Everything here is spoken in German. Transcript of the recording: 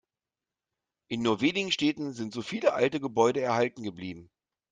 In nur wenigen Städten sind so viele alte Gebäude erhalten geblieben.